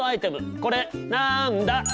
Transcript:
これなんだ？